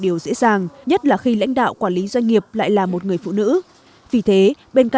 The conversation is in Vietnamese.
điều kiện thứ ba điều kiện đủ